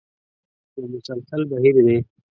یو مسلسل بهیر دی.